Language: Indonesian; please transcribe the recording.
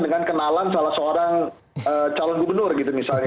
dengan kenalan salah seorang calon gubernur gitu misalnya